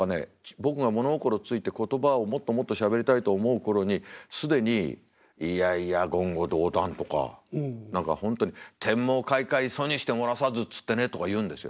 僕が物心付いて言葉をもっともっとしゃべりたいと思う頃に既に「いやいや言語道断」とか何か本当に「『天網恢恢疎にして漏らさず』っつってね」とか言うんですよ。